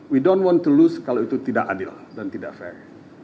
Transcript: withon want to lose kalau itu tidak adil dan tidak fair